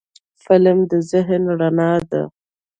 فلم د ذهن رڼا ده